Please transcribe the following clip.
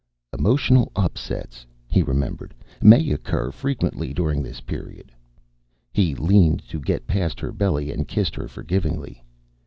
Emotional upsets, he remembered, may occur frequently during this period. He leaned to get past her belly and kissed her forgivingly.